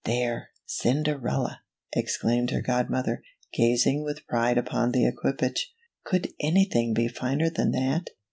" There, Cinderella !" exclaimed her godmother, gazing with pride upon the equipage. " Could anything be finer than that?